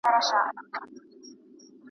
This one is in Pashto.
چي خالق د لمر او مځکي او اسمان .